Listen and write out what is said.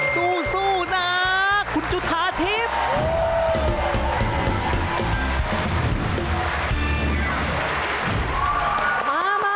สู้นะคุณจุธาทิพย์